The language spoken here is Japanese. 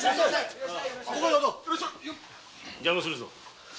邪魔するぞ。